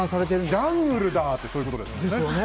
ジャングルだってそういうことですよね。